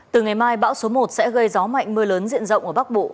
từ ngày mai bão số một sẽ gây gió mạnh mưa lớn diện rộng ở bắc bộ